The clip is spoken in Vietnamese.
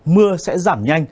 mưa sẽ giảm nhanh